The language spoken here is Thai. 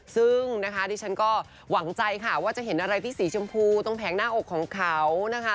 ซึ่งนะคะดิฉันก็หวังใจค่ะว่าจะเห็นอะไรที่สีชมพูตรงแผงหน้าอกของเขานะคะ